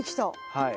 はい。